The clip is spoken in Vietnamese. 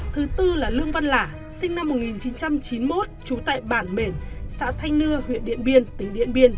thứ tư là lương văn lả sinh năm một nghìn chín trăm chín mươi một trú tại bản mền xã thanh nưa huyện điện biên tỉnh điện biên